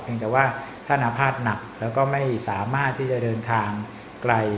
แต่ว่าท่านอาภาษณ์หนักแล้วก็ไม่สามารถที่จะเดินทางไกล